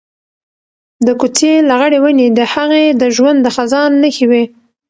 د کوڅې لغړې ونې د هغې د ژوند د خزان نښې وې.